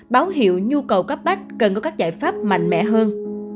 báo hiệu nhu cầu cấp bách cần có các giải pháp mạnh mẽ hơn